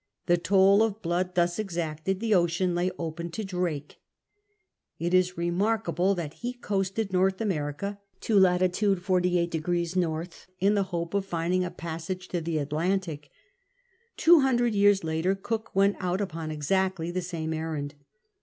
The toll of blood thus exacted, the ocean lay open to Drake. It is remarkable that he coasted North America to lat. 48° N. in the hope of finding a passage to the Atlantic. Two hundred years later Cook went out upon exactly the same errand.